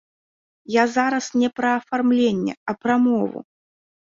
Я зараз не пра афармленне, а пра мову.